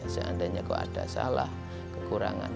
seandainya kok ada salah kekurangan